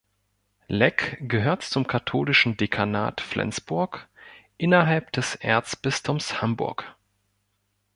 Leck gehört zum katholischen Dekanat Flensburg innerhalb des Erzbistums Hamburg.